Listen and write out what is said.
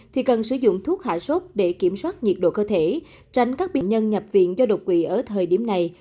thì cần sử dụng thuốc hạ sốt để kiểm soát nhiệt độ cơ thể tránh các bệnh nhân nhập viện do độc quỷ ở thời điểm này